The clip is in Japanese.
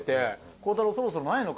「孝太郎そろそろないのか？」